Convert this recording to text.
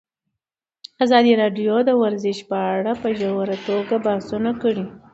ازادي راډیو د ورزش په اړه په ژوره توګه بحثونه کړي.